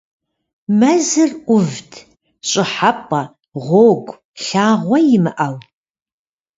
Мэзыр ӏувт, щӏыхьэпӏэ, гъуэгу, лъагъуэ имыӏэу.